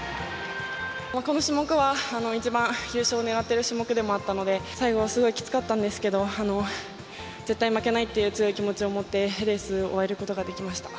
この種目は一番優勝を狙っている種目でもあったので、最後はすごいきつかったんですけど、絶対負けないという強い気持ちを持って、レースを終えることができました。